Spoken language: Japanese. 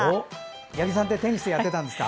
八木さんってテニスやってたんですか？